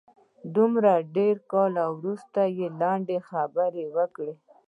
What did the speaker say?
د دومره ډېرو کلونو وروسته یې لنډې خبرې وکړې.